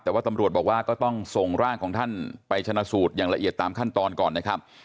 แต่ว่าตำรวจบอกว่าก็ต้องส่งร่างของท่านไปชนะสูตรอย่างละเอียดตามขั้นตอนก่อนนะครับ